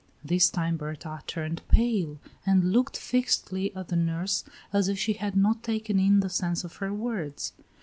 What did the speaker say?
This time Berta turned pale, and looked fixedly at her nurse, as if she had not taken in the sense of her words.